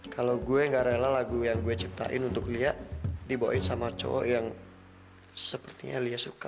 kalau gue gak rela lagu yang gue ciptain untuk lia dibawain sama cowok yang sepertinya lia suka